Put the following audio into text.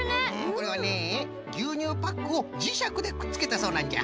これはねぎゅうにゅうパックをじしゃくでくっつけたそうなんじゃ。